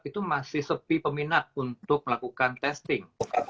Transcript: itu masih sepi peminat untuk melakukan testing